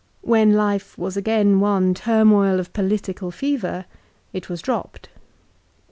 When life was again one turmoil of political fever it was dropped.